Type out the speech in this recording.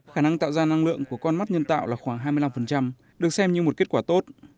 khả năng tạo ra năng lượng của con mắt nhân tạo là khoảng hai mươi năm được xem như một kết quả tốt